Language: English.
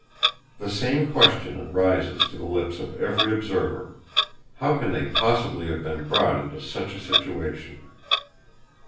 The same question rises to the lips of every observer: How can they possibly have been brought into such a situation?